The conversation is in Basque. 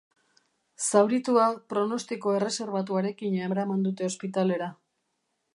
Zauritua pronostiko erreserbatuarekin eraman dute ospitalera.